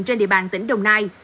trên địa bàn tỉnh đồng nai